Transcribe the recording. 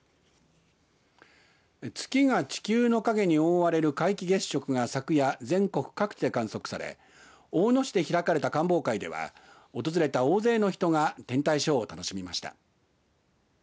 月が地球の影に覆われる皆既月食が昨夜全国各地で観測され大野市で開かれた観望会では訪れた大勢の人が天体ショーを楽しみました。